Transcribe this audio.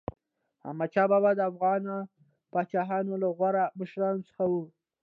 احمدشاه بابا د افغان پاچاهانو له غوره مشرانو څخه و.